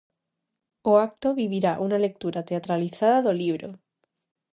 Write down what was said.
O acto vivirá unha lectura teatralizada do libro.